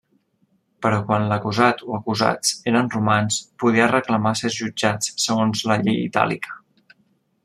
Però quan l'acusat o acusats eren romans podia reclamar ser jutjats segons la Llei Itàlica.